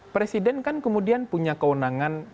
presiden kan kemudian punya kewenangan